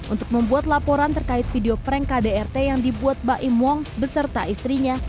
untuk membuat laporan terkait video prank kdrt yang dibuat mbak im wong beserta istrinya